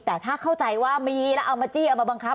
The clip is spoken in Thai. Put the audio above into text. แต่ถ้าเข้าใจว่ามีแล้วเอามาจี้เอามาบังคับ